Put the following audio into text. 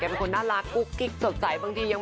เป็นคนน่ารักกุ๊กกิ๊กสดใสบางทียัง